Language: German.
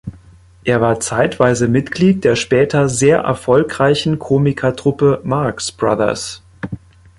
Er war zeitweise Mitglied der später sehr erfolgreichen Komikertruppe Marx Brothers.